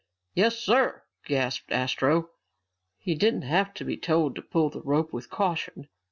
"Yes, sir," gasped Astro. He didn't have to be told to pull the rope with caution.